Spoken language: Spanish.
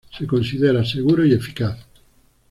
Se considera seguro y eficaz.